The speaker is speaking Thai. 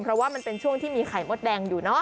เพราะว่ามันเป็นช่วงที่มีไข่มดแดงอยู่เนอะ